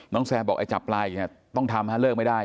น้องแซมบอกจับปลายอีกไหมต้องทำเลิกไม่ได้